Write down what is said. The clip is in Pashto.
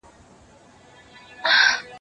په سِن پوخ وو زمانې وو آزمېیلی